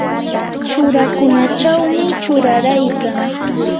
churakunachawmi churayaykan.